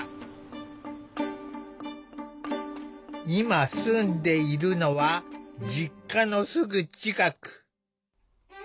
今住んでいるのは実家のすぐ近く。